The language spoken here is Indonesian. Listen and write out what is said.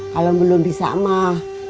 kalau belum bisa mah